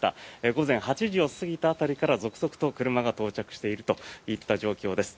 午前８時を過ぎた辺りから続々と車が到着しているといった状況です。